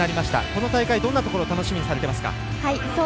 この大会、どんなところを楽しみにされていますか？